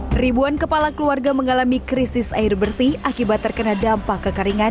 hai ribuan kepala keluarga mengalami krisis air bersih akibat terkena dampak kekeringan